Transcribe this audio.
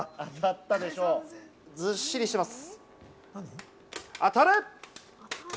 ずっしりしています！